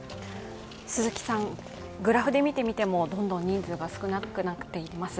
グラフで見てみても、どんどん人数が少なくなっています。